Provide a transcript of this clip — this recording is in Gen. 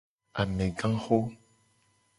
Amegaxo.